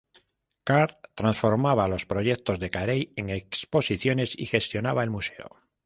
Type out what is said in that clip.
Carr transformaba los proyectos de Carey en exposiciones y gestionaba el museo.